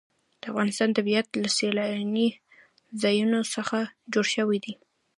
د افغانستان طبیعت له سیلاني ځایونو څخه جوړ شوی دی.